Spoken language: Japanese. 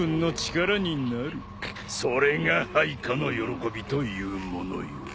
それが配下の喜びというものよ。